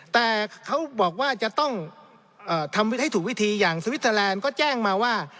แต่เขาบอกว่าจะต้องทำให้ถูกวิธีอย่างสวิสเตอร์แลนด์ก็แจ้งมาว่า